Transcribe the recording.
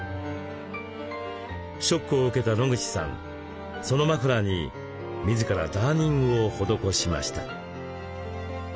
ショックを受けた野口さんそのマフラーに自らダーニングを施しました。